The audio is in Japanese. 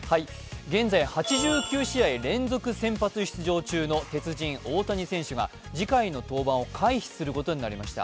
現在、８９試合連続先発出場中の鉄人・大谷選手が次回の登板を回避することになりました。